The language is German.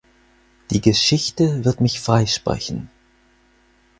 Die Geschichte wird mich freisprechen!